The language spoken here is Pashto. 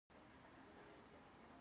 د سمسور افغانستان لپاره.